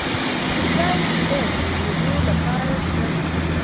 دا ځای د پیرود لپاره ښه دی.